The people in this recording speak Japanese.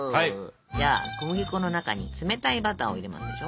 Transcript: じゃあ小麦粉の中に冷たいバターを入れますでしょ。